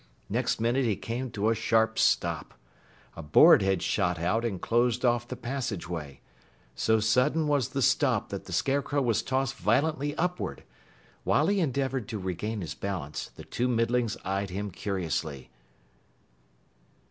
Next minute he came to a sharp stop. A board had shot out and closed off the passageway. So sudden was the stop that the Scarecrow was tossed violently upward. While he endeavored to regain his balance, the two Middlings eyed him curiously.